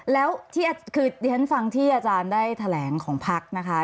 แล้วที่ฉันฟังที่อาจารย์ได้แถลงของพักนะคะ